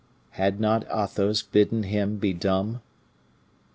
Had not Athos always bidden him be dumb?